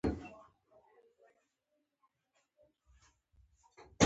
افغانستان له نورو مستعمرو سره توپیر لري.